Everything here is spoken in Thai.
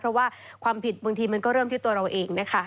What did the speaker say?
เพราะว่าความผิดบางทีมันก็เริ่มที่ตัวเราเองนะคะ